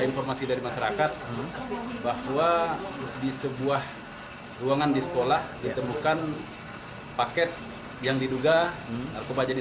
informasi dari masyarakat bahwa di sebuah ruangan di sekolah ditemukan paket yang diduga narkoba jadi